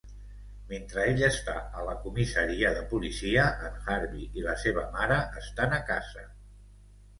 Mentre ell està a la comissaria de policia, en Harvey i la seva mare estan a casa.